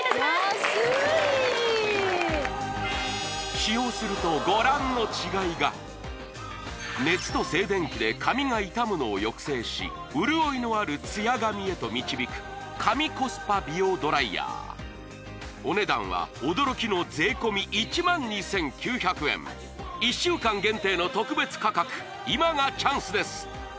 安い使用するとご覧の違いが熱と静電気で髪が傷むのを抑制し潤いのあるツヤ髪へと導く神コスパ美容ドライヤーお値段は驚きの税込１万２９００円１週間限定の特別価格今がチャンスです